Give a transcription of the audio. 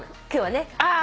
今日はね